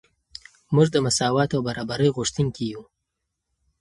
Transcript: موږ د مساوات او برابرۍ غوښتونکي یو.